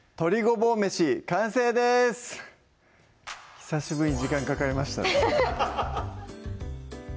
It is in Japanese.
久しぶりに時間かかりましたね